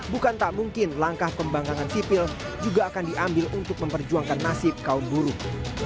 bukan tak mungkin langkah pembangkangan sipil juga akan diambil untuk memperjuangkan nasib kaum buruh